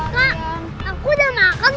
kak aku udah makan